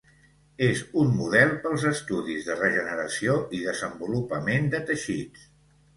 És un model pels estudis de regeneració i desenvolupament de teixits.